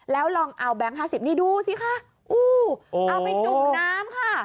แล้วลองเอาแบงค์๕๐นี่ดูสิคะอู้เอาไปจุ่มน้ำค่ะ